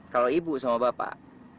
kalau ibu sama bapak